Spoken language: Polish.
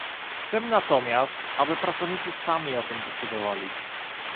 Chcemy natomiast, aby pracownicy sami o tym decydowali